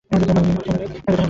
ভয় নেই, ও এখানে নেই।